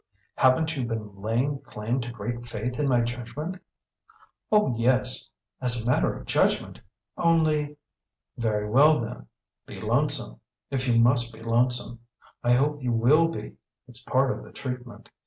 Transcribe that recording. Haven't you been laying claim to great faith in my judgment?" "Oh yes as a matter of judgment; only " "Very well then, be lonesome if you must be lonesome. I hope you will be it's part of the treatment.